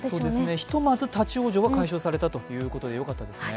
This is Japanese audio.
ひとまず立往生は解消されたということで、よかったですね。